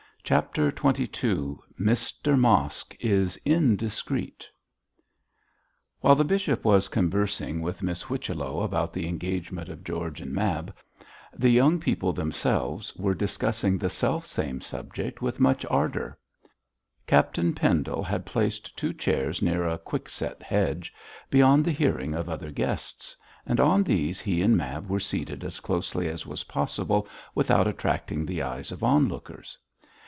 CHAPTER XXII MR MOSK IS INDISCREET While the bishop was conversing with Miss Whichello about the engagement of George and Mab, the young people themselves were discussing the self same subject with much ardour. Captain Pendle had placed two chairs near a quick set hedge, beyond the hearing of other guests, and on these he and Mab were seated as closely as was possible without attracting the eyes of onlookers.